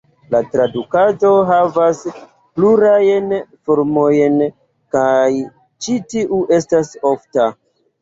La tradukaĵo havas plurajn formojn kaj ĉi tiu estas ofta.